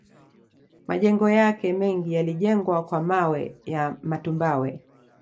Majengo yake mengi yalijengwa kwa mawe ya matumbawe